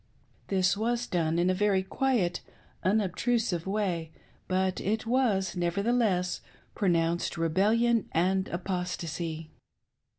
This was done in a very quiet, unobtrusive way, but it was, nevertheless, pronounced rebellion and apostacy.